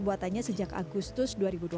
buatannya sejak agustus